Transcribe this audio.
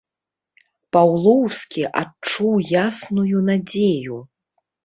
Паўлоўскі адчуў ясную надзею.